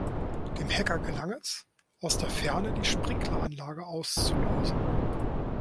Dem Hacker gelang es, aus der Ferne die Sprinkleranlage auszulösen.